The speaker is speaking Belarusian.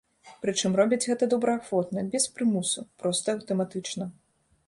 Прычым робяць гэта добраахвотна, без прымусу, проста аўтаматычна.